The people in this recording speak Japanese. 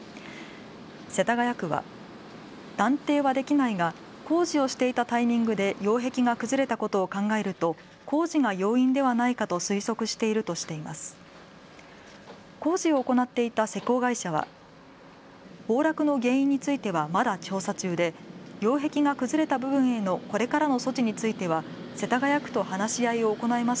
世田谷区は断定はできないが工事をしていたタイミングで擁壁が崩れたことを考えると工事が要因ではないかと推測しているとしています。